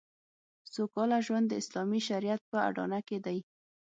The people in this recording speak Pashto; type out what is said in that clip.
سوکاله ژوند د اسلامي شریعت په اډانه کې دی